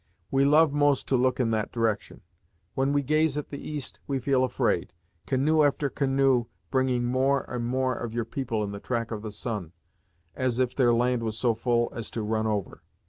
We love most to look in that direction. When we gaze at the east, we feel afraid, canoe after canoe bringing more and more of your people in the track of the sun, as if their land was so full as to run over.